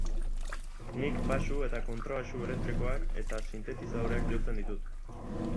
Nik baxu eta kontrabaxu elektrikoak eta sintetizadoreak jotzen ditut.